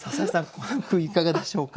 この句いかがでしょうか。